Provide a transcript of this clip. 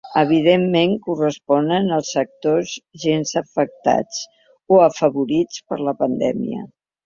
Evidentment, corresponen als sectors gens afectats –o afavorits– per la pandèmia.